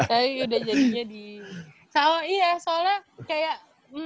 tapi udah jadinya di soalnya kayak